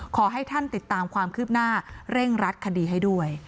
ขอให้ท่านติดตามความคืบหน้าเร่งรัดคดีให้ด้วย